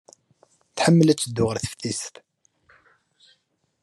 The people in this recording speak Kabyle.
Tḥemmel ad teddu ɣer teftist.